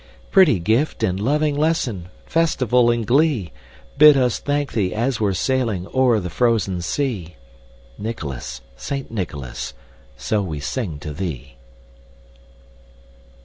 Pretty gift and loving lesson, Festival and glee, Bid us thank thee as we're sailing O'er the frozen sea. Nicholas! Saint Nicholas! So we sing to thee!